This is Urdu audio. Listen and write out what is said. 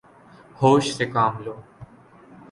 ہوش سے کام لو